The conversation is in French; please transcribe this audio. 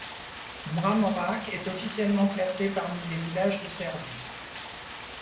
Mramorak est officiellement classé parmi les villages de Serbie.